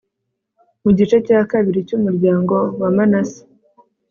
mu gice cya kabiri cy'umuryango wa manase